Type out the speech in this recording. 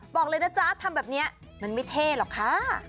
บอกเลยนะจ๊ะทำแบบนี้มันไม่เท่หรอกค่ะ